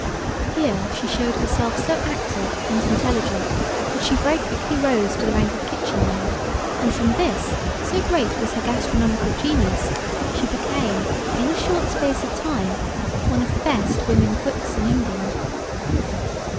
Here she showed herself so active and intelligent, that she very quickly rose to the rank of kitchen maid; and from this, so great was her gastronomical genius, she became, in a short space of time, one of the best women cooks in England.